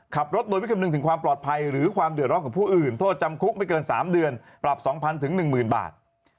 ขับรถโดยไม่คำนึงถึงความปลอดภัยหรือความเดือดร้อนของผู้อื่นโทษจำคุกไม่เกิน๓เดือนปรับ๒๐๐๑๐๐๐บาท